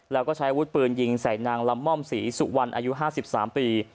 แล้วก็ใช้วุฒิปืนยิงใส่นางละม่อมศรีสุวรรณอายุ๕๓ปี